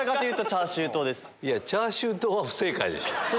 チャーシュー党は不正解でしょ。